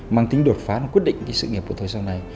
mang tính đột phá quyết định sự nghiệp của thời gian này